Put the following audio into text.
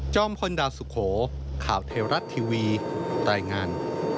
จ้อมพลดาสุโขข่าวเทราชทีวีตรายงาน